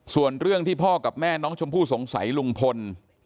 ส่วนเรื่องที่พ่อกับแม่น้องชมพู่สงสัยลุงพล